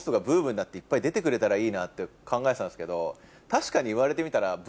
なっていっぱい出てくれたらいいなって考えてたんですけど。